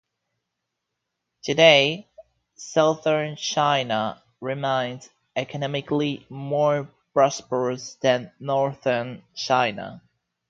Today, southern China remains economically more prosperous than northern China.